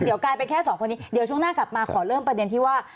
เดี๋ยวกลายเป็นแค่สองคนนี้เดี๋ยวช่วงหน้ากลับมาขอเริ่มประเด็นที่ว่า